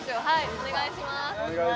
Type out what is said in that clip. お願いします